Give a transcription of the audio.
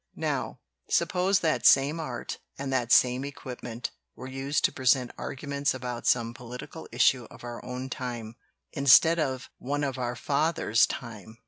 Now, suppose that same art and that same equipment were used to present arguments about some political issue of our own time, instead of one of our fathers' time.